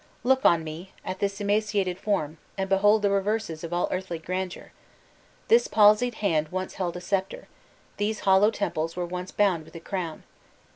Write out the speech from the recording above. Look on me at this emaciated form and behold the reverses of all earthly grandeur! This palsied hand once held a scepter these hollow temples were once bound with a crown!